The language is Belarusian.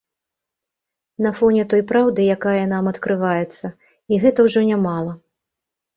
На фоне той праўды, якая нам адкрываецца, і гэта ўжо нямала.